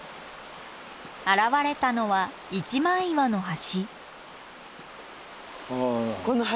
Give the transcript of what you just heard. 現れたのは一枚岩の橋。